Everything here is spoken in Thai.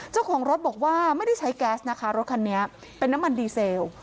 เจ้าของรถบอกว่าไม่ได้ใช้แก๊สนะคะรถคันนี้เป็นน้ำมันดีเซล